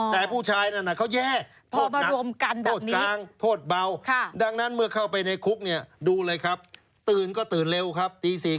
ตี๔๓๐ตื่นแล้วครับ